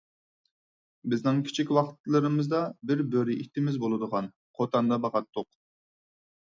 بىزنىڭ كىچىك ۋاقىتلىرىمىزدا بىر بۆرە ئىتىمىز بولىدىغان، قوتاندا باقاتتۇق.